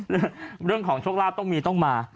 เรื่องของโชคลาภต้องมีต้องมา